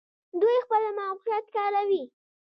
دوی خپل موقعیت کاروي.